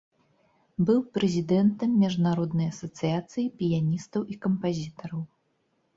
Быў прэзідэнтам міжнароднай асацыяцыі піяністаў і кампазітараў.